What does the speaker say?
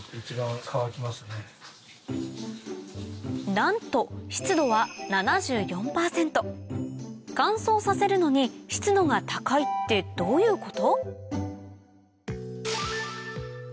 なんと乾燥させるのに湿度が高いってどういうこと？